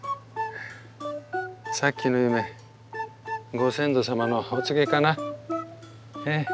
さっきの夢ご先祖様のお告げかな？